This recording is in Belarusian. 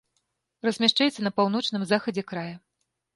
Размяшчаецца на паўночным захадзе края.